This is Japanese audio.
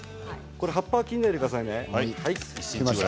葉っぱは切らないでくださいね。